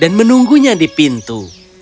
dan menunggunya di pintu